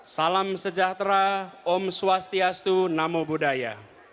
salam sejahtera om swastiastu namo buddhaya